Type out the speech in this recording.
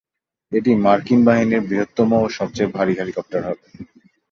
এটি মার্কিন সেনাবাহিনীর বৃহত্তম এবং সবচেয়ে ভারী হেলিকপ্টার হবে।